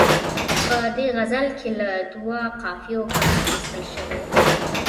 په دې غزل کې له دوو قافیو کار اخیستل شوی.